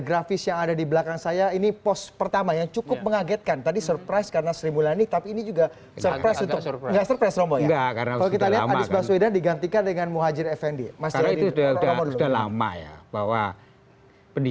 masalah nanti dengan popularitas jokowi